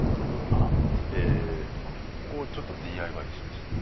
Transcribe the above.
あっここをちょっとＤＩＹしました。